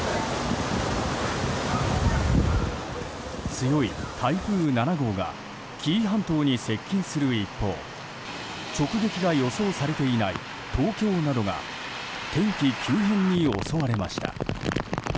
強い台風７号が紀伊半島に接近する一方直撃が予想されていない東京などが天気急変に襲われました。